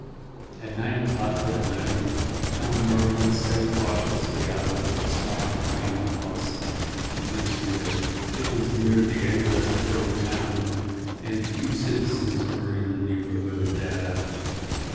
At nine o'clock that night Tom Merwin stepped cautiously out of the small frame house in which he lived. It was near the edge of the little town, and few citizens were in the neighbourhood at that hour.